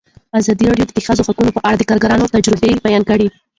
ازادي راډیو د د ښځو حقونه په اړه د کارګرانو تجربې بیان کړي.